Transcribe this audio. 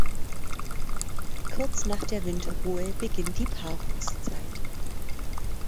Kurz nach der Winterruhe beginnt die Paarungszeit.